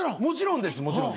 もちろんです。